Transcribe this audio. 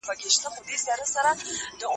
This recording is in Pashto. په لاس خط لیکل د انساني اړیکو د دوام سبب ګرځي.